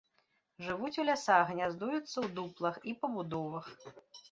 Жывуць у лясах, гняздуюцца ў дуплах і пабудовах.